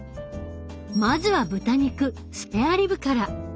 まずは豚肉スペアリブから。